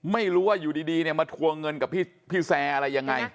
ไม่รู้ว่าอยู่ดีเนี่ยมาทวงเงินกับพี่แซร์อะไรยังไง